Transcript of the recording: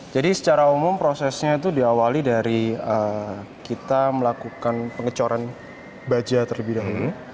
jadi secara umum prosesnya itu diawali dari kita melakukan pengecoran baja terlebih dahulu